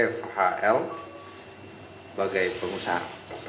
fhl sebagai pengusaha